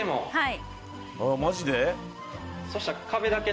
はい。